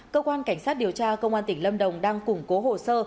cơ quan cảnh sát điều tra công an tỉnh lâm đồng đang củng cố hồ sơ